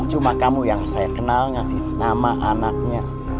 cuma kamu yang saya kenal ngasih nama anaknya